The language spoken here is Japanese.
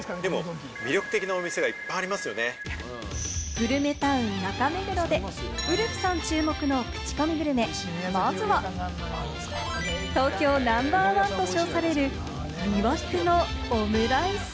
グルメタウン・中目黒でウルフさん注目のクチコミグルメ、まずは東京ナンバーワンと称される魅惑のオムライス。